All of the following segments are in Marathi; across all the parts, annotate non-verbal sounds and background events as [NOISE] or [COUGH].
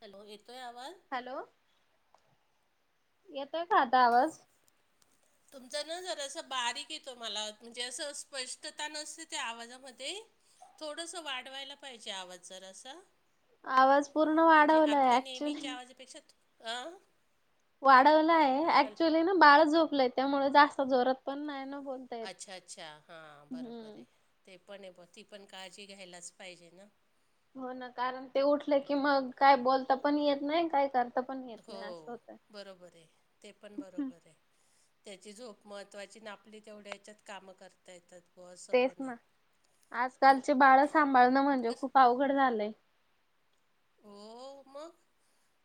हॅलो. येतोय आवाज? हॅलो. येतोय का आता आवाज? तुमचं ना जर असं बारीक येतो मला म्हणजे असं स्पष्टता नसते त्या आवाजामध्ये थोडस वाढवायला पाहिजे आवाज जरा असा. आवाज पूर्ण म्हणजे वाढवलाय आपल्या नेहमीच्या ऍक्च्युली आवाजापेक्षा अ वाढवलं आहे ऍक्च्युली ना बाळ झोपलंय त्यामुळे जास्त जोरत पण नाही ना बोल. अच्छा अच्छा हां बरोबर आहे ते पण आहे ब ती पण काळजी घ्यायलाच पाहिजे ना. हो ना कारण ते उठले की मग काय बोलता पण येत नाही काय करता पण येत हो नाही असं होत बरोबर आहे ते पण बरोबर आहे. त्याची झोप महत्त्वाची ना आपली तेवढ्या याच्यात कामं करता येतात. बुवा असं तेच पण आहे ना आजकालचे बाळ सांभाळणं म्हणजे ते कसं खूप अवघड झालंय. हो मग.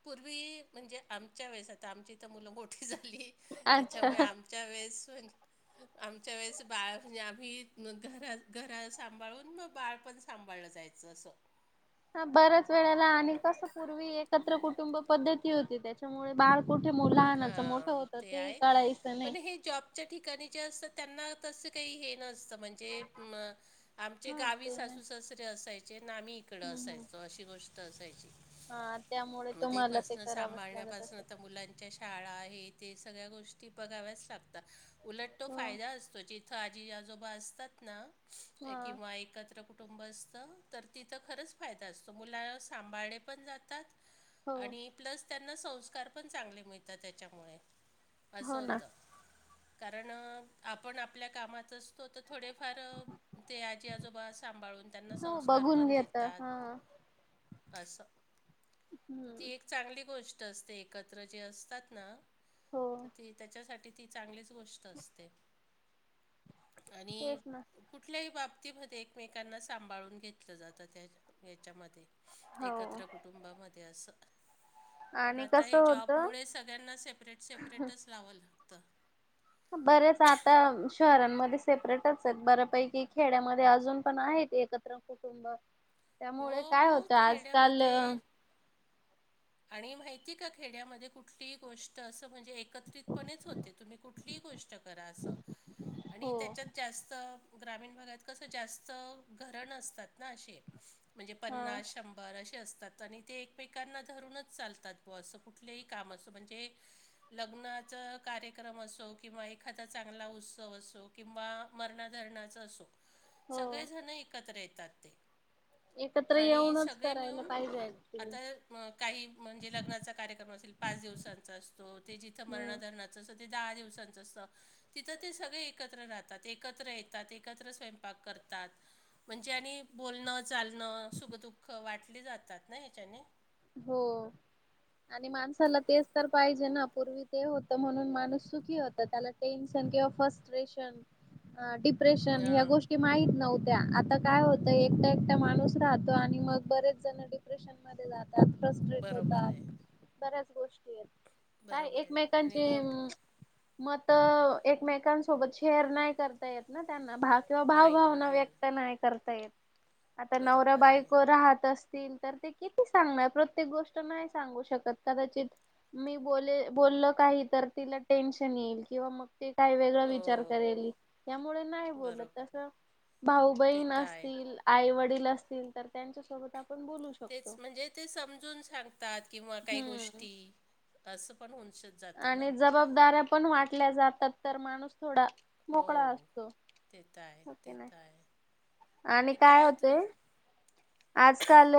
पूर्वी म्हणजे आमच्या वेळेस आता आमची तर मुलं मोठी झाली. अच्छा त्याच्यामुळे आमच्या वेळेस आमच्या वेळेस बाळ म्हणजे आम्ही घर घरा सांभाळून मग बाळ पण सांभाळलं जायचं. अस अस. [UNINTELLIGIBLE] हा बऱ्याच वेळेला आणि कस पूर्वी एकत्र कुटुंब पद्धती होती त्याच्यामुळे बाळ कुठे लहानाचं मोठं हां होत ते आहे कळायचं नाही. पण हे जॉबच्या ठिकाणी ज असतात त्यांना तस काही हे नसतं म्हणजे आमचे हा गावी ते हम्म सासूसासरे असायचे आणि आम्ही इकड हम्म असायचो असे. ती गोष्ट असायची हा त्यामुळे मग ते तुम्हाला पासन करावंच लागत सांभाळण्यापासून असेल. तर मुलांचे शाळा हे ते सगळ्या गोष्टी बघाव्याच लागतात उलट तो हो फायदा असतो. आजी आजोबा असतात ना हा किंवा एकत्र कुटुंब कुटुंब असतं तर तिथं खरंच फायदा असतो मुला सांभाळणे पण जातात. हो आणि प्लस त्यांना संस्कार पण चांगले मिळतात त्याच्यामुळे. असं हो ना होतं कारण आपण आपल्या कामात असतो तर थोडेफार ते आजी आजोबा सांभाळून त्यांना हो संस्कार बघून पण घेत देतात. हा अस ती हम्म. एक चांगली गोष्ट असते एकत्र जे असतात ना हो. तर ते त्याच्यासाठी ती चांगली गोष्ट असते आणि तेच ना. कुठल्याही बाबतीमध्ये एकमेकांना सांभाळून घेतलं जातं त्या याच्यामध्ये. हो एकत्र कुटुंबामध्ये असं. आणि कसं होत मुळे सगळ्यांना सेपरेट सेपरेटच लावं लागतं. बरेच आता शहरांमध्ये सेपरेटच आहेत बऱ्यापैकी खेड्यामध्ये अजून पण आहेत. एकत्र कुटुंब त्यामुळे हो काय मग होतं आजकाल खेड्यामध्ये आणि माहितीये का खेड्यामध्ये कुठली हि गोष्ट असं म्हणजे एकत्रितपणेच होते तुम्ही कुठलीही गोष्ट करा असं हो. आणि त्याच्यात जास्त ग्रामीण भागात कसं जास्त घरं नसतात ना असे म्हणजे हा पन्नास शंभर बरेसे असतात आणि ते एकमेकांना धरूनच चालतात बॉअसं कुठलेही काम असं म्हणजे लग्नाचा कार्यक्रम असो किंवा एखादा चांगला उत्सव असो. किंवा मरणाधरणाचं असो हो. सगळेजण एकत्र येतात ते. एकत्र आणि येऊनच सगळे करायला मिळून पाहिजे ऍक्च्युली. आता म काही म्हणजे लग्नाचा कार्यक्रम असेल पाच दिवसांचा असतो ते जिथं मरणा हम्म धरणाच ते दहा दिवसांचं असतं. तिथं ते सगळे एकत्र राहतात एकत्र येतात एकत्र स्वयंपाक करतात. म्हणजे आणि बोलणं चालणं सुख दुःख वाटली जातात ना ह्याच्याने. हो. आणि माणसाला तेच तर पाहिजे ना पूर्वी ते होतं म्हणून माणूस सुखी होता त्याला टेन्शन किंवा फ्रस्टेशन अं डिप्रेशन ह्या हां गोष्टी माहित नव्हत्या आता काय होतं एकटं एकटं माणूस राहतो आणि मग बरेच जण डिप्रेशन मधे जातात फ्रस्टेट बरोबर होतात आहे बऱ्याच गोष काय बरोबर आहे आणि एकमेकांचे मोठ अं मतं एकमेकांसोबत शेअर नाही करता येत ना त्यांना भाग किंवा नाही ना भावभावना नाही ना व्यक्त नाही करता येत आता नवरा बरोबर आहे बायको राहत अस तील तर ते किती सांगणार प्रत्येक गोष्ट नाही सांगू शकत कदाचित मी बोले बोललं काही तर तिला टेन्शन येईल किंवा मग ते काय वेगळा हो विचार करेल त्यामुळे नाही बोलत बरोबर आहे तसं भाऊ ते बहीण तर आहे असतील आई वडील असतील तर त्यांच्यासोबत आपण बोलू शको. तेच म्हणजे ते समजून सांगतात किंवा काही हम्म गोष्टी असं पण होऊन शक आणि जबाबदाऱ्या पण वाटल्या जातात तर माणूस थोड हो मोकळा असतो ते तर आहे हो कि ते नाही? तर आहे आणि ते काय त होतेय आजकाल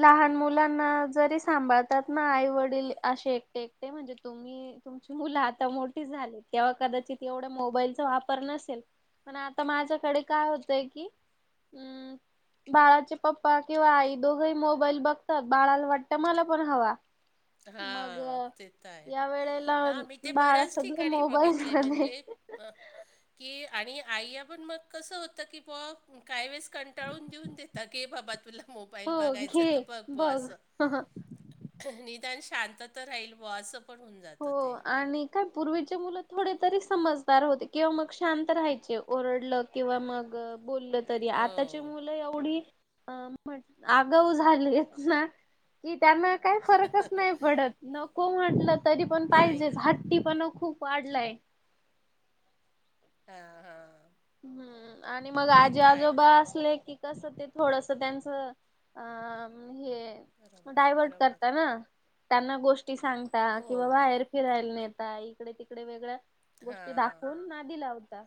लहान मुलांना जरी सांभाळतात ना आई वडील अशे एकटे एकटे म्हणजे तुम्ही की तुमची मुलं आता मोठी झाली, तेव्हा कदाचित एवढा मोबाईलचा वापर नसेल. पण आता माझ्याकडे काय होतंय की हम्म बाळाचे पप्पा किंवा आई दोघंही मोबाईल बघतात, बाळाला वाटत मला पण हवा. मग हां ते त आहे, या वेळेला हा मी ते बाळा बऱ्याच सगळे ठिकाणी मोबाईल बघितले मध्ये म्हणजे की आणि आईया पण मग कसं होतं की बॉ काही वेळेस कंटाळून देऊन देेता, की बाबा तुला मोबाईल बघायचं तं बघ बॉ असं. हं हं निदान शांत तर राहील बॉ असं. पण होऊन हो जातं ते आणि काय पूर्वीचे मुलं थोडे तरी समजदार होते किंवा मग शांत राहायचे ओरडलं किंवा मग बोललं तरी हो आताचे मुल एवढी आगाऊ झालीयत ना की त्यांना काही फरकच नाही पडत नको म्हटल तरी पण पाहिजेच नाही हट्टी पणा खूप वाढलाय हम्म हम्म हम्म आणि मग आजी आजोबा असले की कस ते थोडस त्यांचं अं हे बरोबर डायव्हर्ट बरोबर करता आहे. ना. त्यांना गोष्टी सांगता हो किंवा बाहेर फिरायला नेता इकडे तिकडे वेगळ गोष्टी हां दाखवून नादि लावता.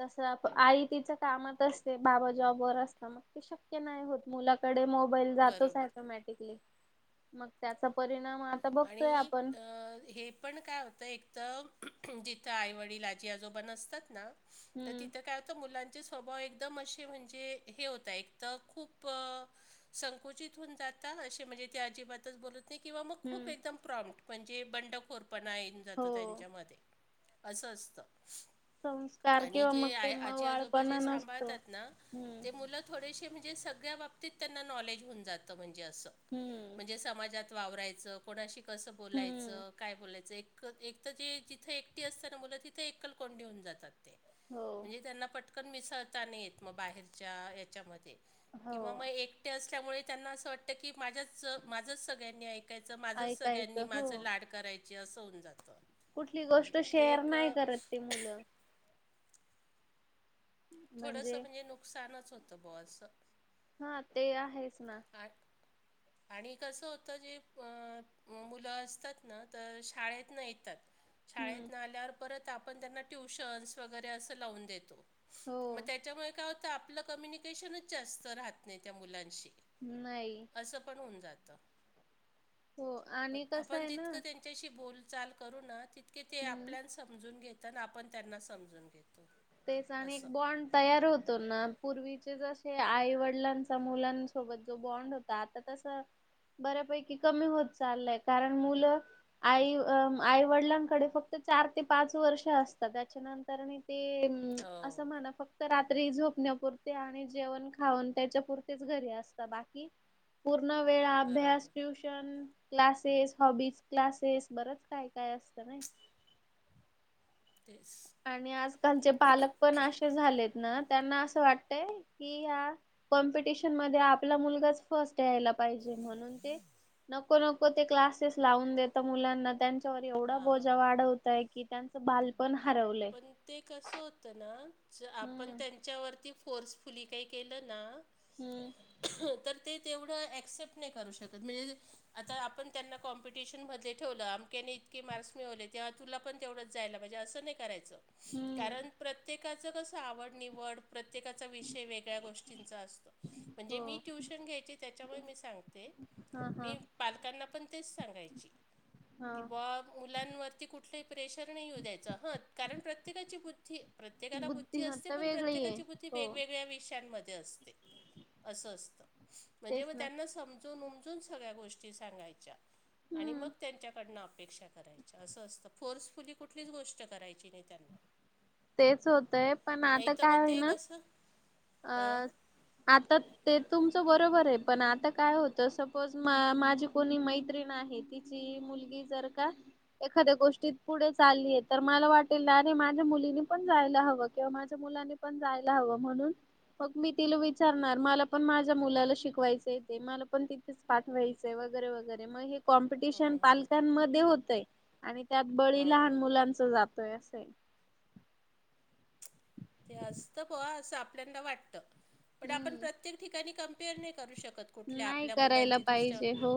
तसं आई तिच्या कामात असते, बाबा जॉबवर असतात मग ते शक्य नाही होत. मुलाकडे मोबाईल जातोच बरोबर ऑटोमॅटिकली, मग त्याचा परिणाम आ आणि हे पण काय हो त एक तर जिथं आई, वडील, आजी, आजोबा न नसतात ना तर हम्म तिथं काय होतं मुलां चे स्वभाव एकदम असे म्हणजे हे होता एक तर खूप संकुचितन होऊन जाता, म्हणजे ते अजिबातच बोलत नाही किंवा मग खूप हम्म एकदम प्रॉम्प्ट म्हणजे बंडखोरपणा येऊन जातो हो. त्यांच्यामध्ये असं असतं. संस्कार आणि किंवा मग जे आ ते आजी आजोबा जे मवाळपणा नसतो सांभाळतात ना हम्म ते मुलं थोडेसे म्हणजे सगळ्या बाबतीत त्यांना नॉलेज होऊन जातं म्हणजे असं हम्म. म्हणजे समाजात वावरायचं कोणाशी कसं हम्म बोलायचं, काय बोलायचं, एक एक तर जे जिथे एकटी असत मुल तिथे एकल कोंडी होऊन जाता ते हो म्हणजे त्यांना पट कण मिसळता नाहीेत मग बाहेरच्या याच्यामध्ये हो किंवा मग एक एकटे असल्यामुळे त्यांना असं वाटतं की माझ्याच माझंच सगळ्यांनी एक माझं सगळ्यांनी ऐकायचं हो माझ लाड करायची असं होऊन जातं. कुठली गोष्ट ते शेअर एक नाही करत ते मुलं थोडस म्हणजे नुकसानच होतं बॉ अस. हा ते आहेच ना. आ आणि कसं होतं जे म मुलं असतात ना तर शाळेत न येतात. शाळेत हम्म न आल्यावर परत आपण त्यांना ट्युशन्स वगैरे असं लावून देतो. हो मग त्याच्यामुळे काय होतं आपलं कम्युनिकेशनच जास्त राहत नाही त्या मुलांशी. नाही. ण ज [INAUDIBLE] हो आणि कसं आहे ना हम्म समून घेना आपण त्यांना समजून घेतो. तेच आणि असं एक बॉन्ड. तयार होतो ना पूर्वीचे जे आई वडिलांचा मुलांसोबत जो बॉन्ड होतो. आता तस बऱ्यापैकी कमी होत चाललंय कारण मुलं. आई आईवडिलांकडे फक्त चार ते पाच वर्ष असतात त्याच्यानंतर. ते असं हो म्हणा फक्त. तर रात्री झोपण्यापुरते आणि जेवण खाऊन त्याच्यापुरतेच घरी असत बाकी. पूर्ण वेळ अभ्यास बरोबर ट्यूश क्लासेस हॉबीज क्लासेस बरच काय काय असत नाही. तेच. आणि आजकालचे पालक पण असे झालेत ना त्यांना असं वाटतय कि या. कॉम्पिटिशन मध्ये आपला मुलगाच फर्स्ट या्यायला पाहिजे म्हणून ते. नको नको ते क्लासेस लावून देत मुलांना त्यां एवढा बोजा हां वाढवतय की त्यांचं बालपण हरवलंय. पण ते कस होत ना आप त्यां. हम्म त्याच्यावरती फोर्सफुली काही केलं ना. हम्म. तर ते तेवढं ऍक्सेप्ट नाही करू शकत म्हणजे आता आपण त्यांना कॉम्पिटिशन मध्ये ठेवलं अमक्याने इतके मार्क्स मिळवले ते्हा. तुला पण तेवढंच जायला पाहिजे असं नाही करायचं हम्म कारण प्रत्येकाचं कसं आवड निवड. प्रत्येकाचा विषय वेगळ्या गोष्टींचा असतो. म्हणजे हो मी ट्युशन घ्यायचे त्याच्यामुळे मी सांगते हा हा मी. पालकांना पण तेच सांगायची हा की बा मुलांवरती कुठ. कुठ प्रेशर नाहीऊ द्यायच ह कारण प्रत्येकाची बुद्धी. प्रत्येकाला बुद्धी असते बुद्धिमत्ता पण वेगळी आहे प्रत्येकाची बुद्धी हो वेगवेगळ्या विषयांमध्ये असते. असं असतं म्हणजे तेच मग ना त्यांना समजून उमजून सगळ्या गोष्टी सांगायच्या. आणि हम्म मग त्यांच्याकडन अपेक्षा करायच्या असं असतं फोर्सफुली कुठलीच गोष्ट करायची. चिरे त्यांना. तेच होतंय पण नाही आता तर मग काय ते होईना कसं अ अं, आता. ते तुमचं बरोबर आहे पण आता काय होतं सपोज माझी कोणी मैत्रीण आहे. तिची मुलगी जर का. एखाद्या गोष्टीत पुढे चाललीय तर मला वाटेल ना अरे माझ्या मुलीनी पण जायला हवं किंवा माझ्या मुलानी. पण जायला हवं म्हणून. मग मी तिला विचारणार मला पण माझ्या मुलाला शिकवायचं येते मला पण तिथे. पाठवा्हायच वगैरे वगैरे मग हे. कॉम्पिटिशन पालकांमध्ये होतय आणि त्यात बळी हं. लहान मुलांच जातय असंय. ते असतं पहा असं आपल्याला वाटतं पण आपण हम्म. प्रत्येक ठिकाणी कम्पेअर नाही करू शकत. कुठल्या नाही आपल्या करायला मुलांची दुसऱ्या. पाहिजे हो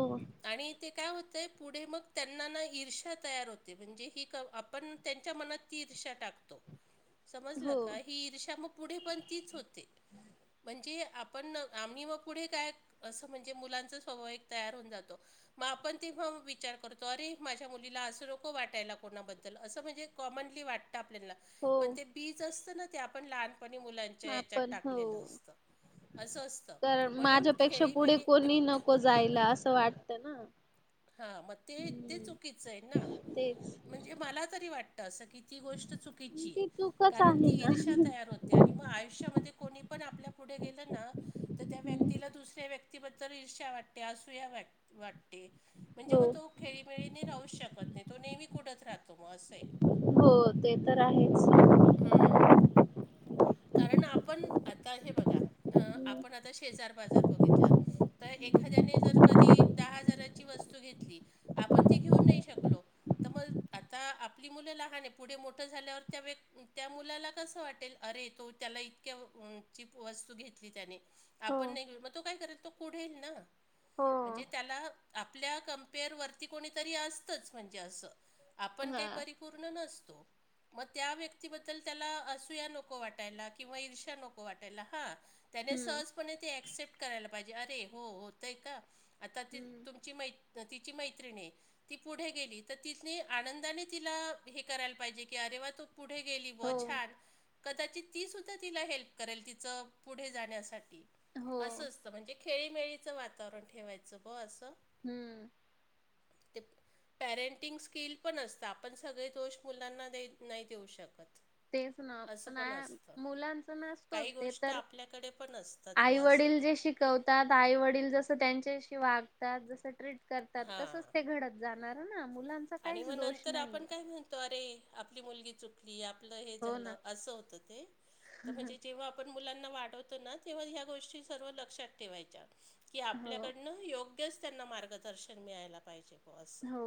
आणि ते काय होतंय पुढे मग त्यांना ना ईर्षा तयार होते म्हणजे ही क. पण त्यांच्या मनात ती ईर्षा टाकतो. ह. समजलं का ही इर्षा म पुढे पण तीच होते. म्हणजे आपण आम्ही मग पुढे काय? असं म्हणजे मुलांचं स्वभाव एक तयार होऊन जातो. मग आपण तेव्हा विचार करतो अरे माझ्या मुलीला असं नको वाटायला कोणाबद्दल असं म्हणजे कॉमनली वाटतं आपल्याला पण हो. ते बीज असत ना ते आपण लहान पणी मुलांच्या याच्यात आपण हो टाकलेलं असतं. असं असतं कारण म्हणून माझ्यापेक्षा पुढे खेळीमेळी कोणी नको जायला असं वाटतं ना. हा मग ते ते हम्म चुकीचं आहे ना तेच म्हणजे मला तरी वाटत असं की. ती गोष्ट चुकीचीये ती चूकच कारण आहे ती ना. ईर्षा तयार होते. त्यांनी मग आयुष्यामध्ये कोणी पण आपल्या पुढे गेलं ना तर त्या व्यक्तीला दुसऱ्या व्यक्तीबद्दल ईर्ष्या वाटते असूया वाटते. म्हणजे हो मग तो खेळीमेळीने राहूच शकत नाही तो नेहमी कुढत राहतो मग असय. हो ते तर आहेच. हम्म. कारण आपण आता हे बघा आपण आता शेजार पाजार बघितलं तर एखाद्याने जर कधी दहा हजारा ची वस्तू घेतली आपण ती घेऊ नाही शकलो. तर मग आता आपली मुलं लहान आहे पुढे मोठं झाल्यावर त्या व्यक् त्या मुलाला कसं वाटेल. अरे तो त्याला इतक्या उंची वस्तू घेतली त्याने. हो आपण नाही घेऊ मग तो काय करेल तो कुढेल ना म्हणजे हो. त्याला. आपल्या कम्पेअर वरती कोणीतरी असतंच म्हणजे असं आपण हा काही परी पूर्ण नसतो. मग त्या व्यक्तीबद्दल त्याला असुया नको वाटायला किंवा ईर्षा नको वाटायला हा. त्याने हम्म सहजपणे ते ॲक्सेप्ट करायला पाहिजे अरे हो होतय का आता ती हम्म ची मय तिची मैत्रिणी ये. ती पुढे गेली तर तिने आनंदाने तिला हे करायला पाहिजे की अरे वा तू. पुढे गेली व हो छान. कदाचित ती सुद्धा तिला हेल्प करेल तिचं पुढे जाण्यासाठी हो असं असतं म्हणजे खेळीमेळीचं वातावरण ठेवायचं ब असं. हम्म. ते पॅरेंटिंग स्किल पण असतं आपण सगळे दोष मुलांना देत नाही देऊ शकत. तेच ना असं पण कनाय असतं मुलांच नसतोच काही ते गोष्ट तर आपल्याकडे पण असतात ब असं आईवडील जे शिक कवतात आई वडील जस त्यांच्याशी वागतात जस ट्रीट करतात तसचं हां ते घडत जाणार ना मुलांचा काहीच दोष नाही. तो अरे आपली मुलगी चुकली आपलं हे हो झालं ना असं होतं ते तर म्हणजे जेव्हा पण मुलांना वाढवतो ना तेव्हा ह्या गोष्टी सर्व लक्षात ठेवायच्या की हो आपल्याकडनं योग ग्यच त्यांना मार्गदर्शन मिळायला पाहिजे बस. हो.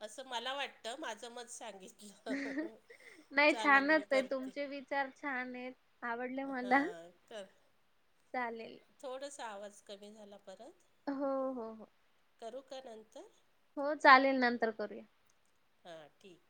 असं मला वाटतं माझं मत सांगितलं चालेल मी करते. चार छान आहेत आवडले मला हां चालेल. थोडसा आवाज कमी झाला परत. हो हो हो. करु का नंतर? हो चालेल नंतर करूया. हं ठीक.